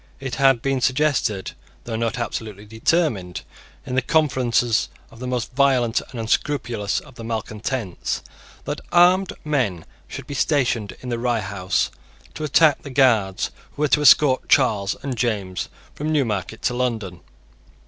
It had been suggested, though not absolutely determined, in the conferences of the most violent and unscrupulous of the malecontents, that armed men should be stationed in the Rye House to attack the Guards who were to escort Charles and James from Newmarket to London.